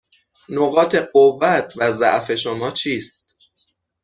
نقاط قوت و ضعف شما چیست؟